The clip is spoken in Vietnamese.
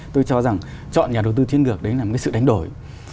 tôi cho rằng chọn nhà đầu tư chiến lược đấy là một sự đánh đổi